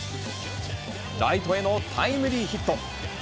ライトへのタイムリーヒット。